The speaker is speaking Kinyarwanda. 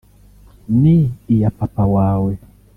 ni iya papa wawe